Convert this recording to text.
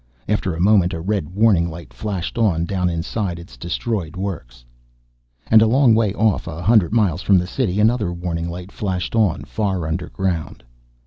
After a moment a red warning light flashed on down inside its destroyed works. And a long way off, a hundred miles from the city, another warning light flashed on, far underground.